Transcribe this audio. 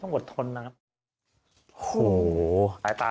ยังไงเราก็ต้องสู้ยังไงเราก็ต้องไปต่อยังไงเราก็ไม่ตาย